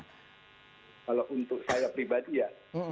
kalau untuk saya pribadi ya